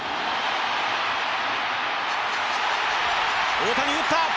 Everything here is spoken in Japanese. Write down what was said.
大谷打った！